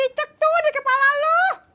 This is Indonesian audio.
ada cicak tuh di kepala lo